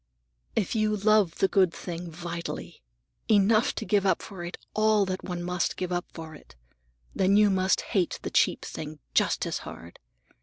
"If you love the good thing vitally, enough to give up for it all that one must give up for it, then you must hate the cheap thing just as hard.